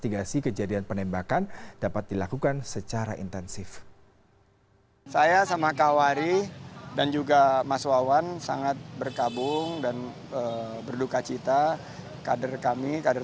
tidak ada yang mau berpikir